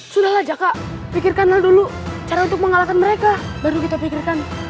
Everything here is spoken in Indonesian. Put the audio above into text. sudah lah jaka pikirkan dulu cara untuk mengalahkan mereka baru kita pikirkan